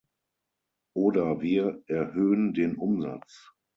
Oder wir erhöhen den Umsatz.